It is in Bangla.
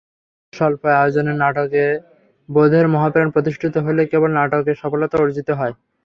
স্বল্প আয়োজনের নাটকে বোধের মহাপ্রাণ প্রতিষ্ঠিত হলেই কেবল নাটকের সফলতা অর্জিত হয়।